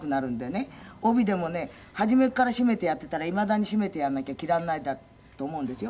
「帯でもね初めから締めてやってたらいまだに締めてやらなきゃ着られないと思うんですよ」